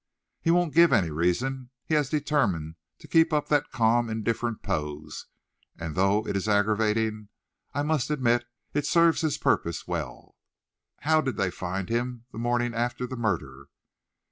"He won't give any reason. He has determined to keep up that calm, indifferent pose, and though it is aggravating, I must admit it serves his purpose well." "How did they find him the morning after the murder?"